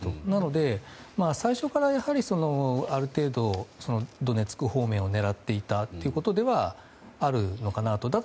なので、最初からやはりある程度ドネツク方面を狙っていたというわけではあるのかなと。